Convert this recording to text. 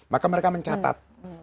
maka mereka mencatat